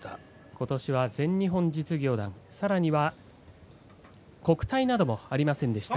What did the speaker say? ことしは全日本実業団さらには国体もありませんでした。